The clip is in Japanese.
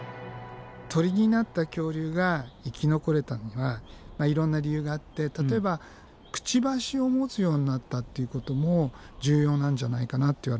鳥になった恐竜が生き残れたのにはいろんな理由があって例えばくちばしを持つようになったっていうことも重要なんじゃないかなっていわれてるんだよね。